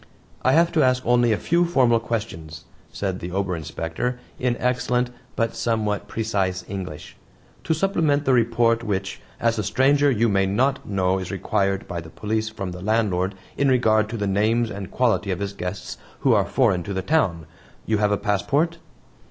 "I have to ask only a few formal questions," said the Ober Inspector in excellent but somewhat precise English, "to supplement the report which, as a stranger, you may not know is required by the police from the landlord in regard to the names and quality of his guests who are foreign to the town. You have a passport?"